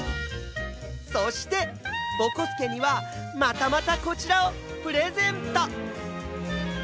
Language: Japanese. そしてぼこすけにはまたまたこちらをプレゼント！